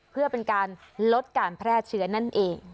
เพื่อเป็นการลดการแพร่เชื้อนั่นเอง